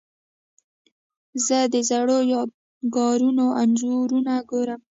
زه د زړو یادګارونو انځورونه ګورم.